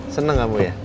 seneng gak bu ya